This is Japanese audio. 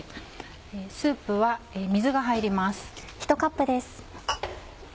スープは水が入ります。